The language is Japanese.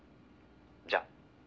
「じゃあ」